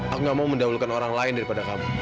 aku gak mau mendahulukan orang lain daripada kamu